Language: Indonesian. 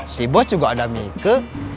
si bos juga ada mieke